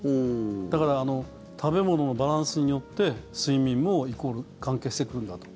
だから食べ物のバランスによって睡眠もイコール関係してくるんだと。